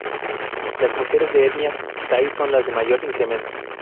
Las mujeres de la Etnia tai son las de mayor incremento.